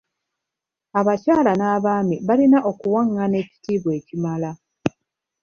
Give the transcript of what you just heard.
Abakyala n'abaami balina okuwangana ekitiibwa ekimala.